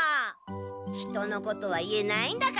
人のことは言えないんだから。